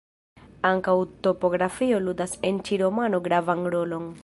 Ankaŭ topografio ludas en ĉi romano gravan rolon.